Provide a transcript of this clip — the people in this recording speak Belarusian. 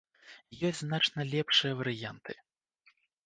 Ёсць значна лепшыя варыянты.